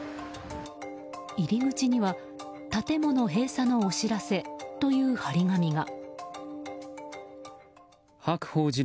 入り口には建物閉鎖のお知らせという貼り紙が。